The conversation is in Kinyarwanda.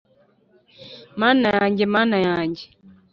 Mana yanjye Mana yanjye